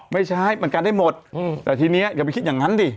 ไม่ใช่มันกันได้หมดแต่ทีนี้อย่าไปคิดอย่างนั้นดิ